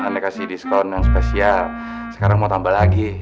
anda kasih diskon yang spesial sekarang mau tambah lagi